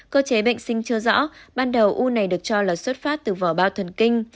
cơ chế bệnh sinh chưa rõ ban đầu u này được cho là xuất phát từ vỏ bao thần kinh